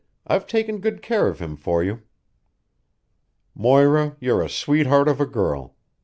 I've taken good care of him for you." "Moira, you're a sweetheart of a girl.